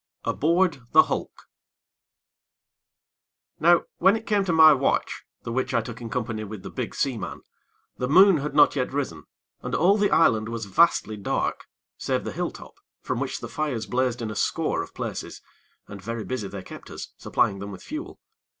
XV Aboard the Hulk Now when it came to my watch, the which I took in company with the big seaman, the moon had not yet risen, and all the island was vastly dark, save the hill top, from which the fires blazed in a score of places, and very busy they kept us, supplying them with fuel.